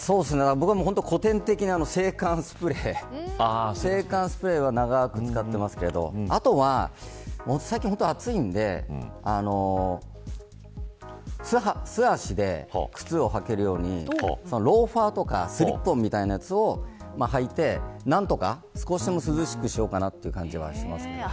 僕は古典的な制汗スプレー制汗スプレーは長く使ってますけどあとは、最近暑いんで素足で靴を履けるようにローファーとかスリッポンみたいなやつを履いて何とか少しでも涼しくしようかなという感じです。